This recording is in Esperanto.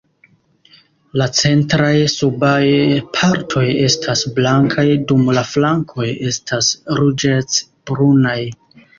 La centraj subaj partoj estas blankaj, dum la flankoj estas ruĝecbrunaj.